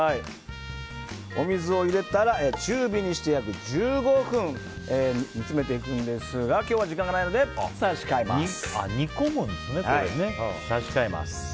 お水を入れたら中火にして約１５分煮詰めていくんですが今日は時間がないので差し替えます。